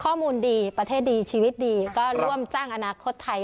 ข้อมูลดีประเทศดีชีวิตดีก็ร่วมสร้างอนาคตไทย